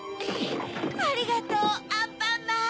ありがとうアンパンマン！